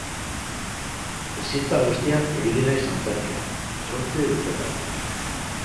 Bizitza guztian ibili naiz antzerkian, zortzi urtetatik.